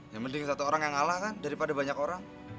ya mending satu orang yang allah kan daripada banyak orang